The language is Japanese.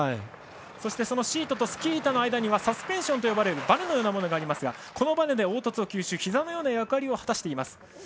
そして、シートとスキー板の間にはサスペンションと呼ばれるばねのようなものがありますがこのばねで凹凸を吸収しています。